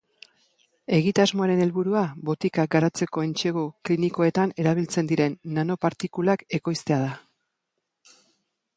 Egitasmoaren helburua botikak garatzeko entsegu klinikoetan erabiltzen diren nanopartikulak ekoiztea da.